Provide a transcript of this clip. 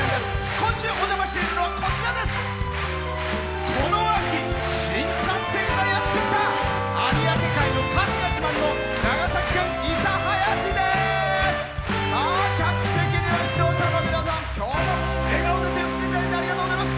今週お邪魔しているのはこの秋、新幹線がやって来た！有明海のかきが自慢の長崎県諌早市です。